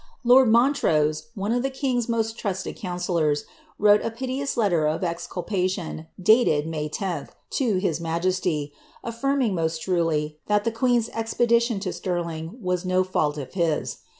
Lord Jlunlios^ one of the king's most trusted counsellors, wrote a piteous letier of fi culpation. dated May 10, to liis majesty,^ affirming nio*l trulv. ihai i.'.e queen's expedition to Stirling was no fault of his.